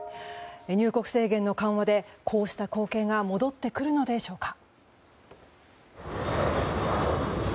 入国制限の緩和でこうした光景が戻ってくるのでしょうか。